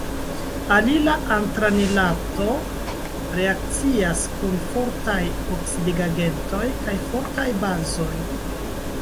Alila antranilato reakcias kun fortaj oksidigagentoj kaj fortaj bazoj.